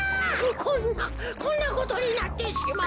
こんなこんなことになってしまうのか。